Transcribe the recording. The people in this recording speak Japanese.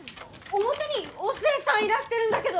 表にお寿恵さんいらしてるんだけど！